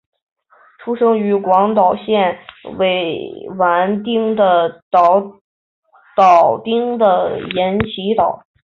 出生于广岛县尾丸町的岛岛町的岩崎岛。